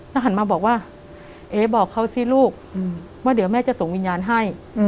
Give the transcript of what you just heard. แล้วหันมาบอกว่าเอ๋บอกเขาสิลูกว่าเดี๋ยวแม่จะส่งวิญญาณให้